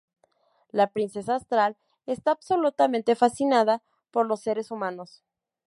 La princesa Astral está absolutamente fascinada por los seres humanos.